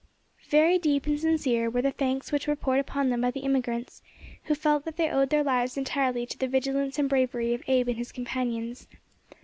Very deep and sincere were the thanks which were poured upon them by the emigrants, who felt that they owed their lives entirely to the vigilance and bravery of Abe and his companions.